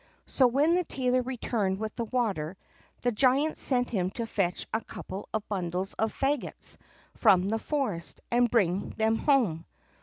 So, when the tailor returned with the water, the giant sent him to fetch a couple of bundles of faggots from the forest, and bring them home.